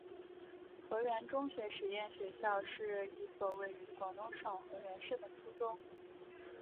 河源中学实验学校是一所位于广东省河源市的初中。